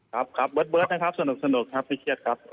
ครับครับเบิร์ดนะครับสนุกครับพิเศษครับ